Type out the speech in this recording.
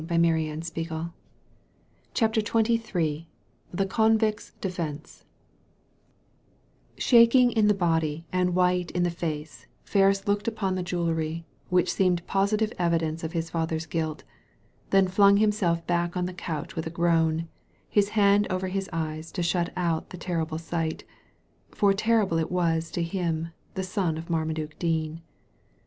Digitized by Google CHAPTER XXIII THE convict's defence Shaking in the body and white in the facc^ Ferris looked upon the jewellery, which seemed positive evidence of his father's guilt, then flung himself back on the couch with a groan, his hand over his ey^ to shut out the terrible sight — for terrible it was to him, the son of Marmaduke Dean.